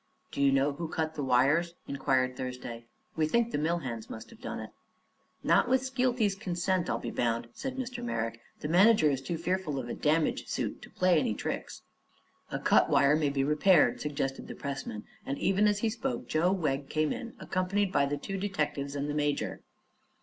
"Do you know who cut the wires?" inquired Thursday. "We think the mill hands must have done it." "Not with Skeelty's consent, I'll be bound," said Mr. Merrick. "The manager is too fearful of a damage suit to play any tricks." "A cut wire may be repaired," suggested the pressman, and even as he spoke Joe Wegg came in, accompanied by the two detectives and the major.